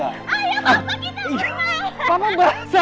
ayolah bapak kita bersama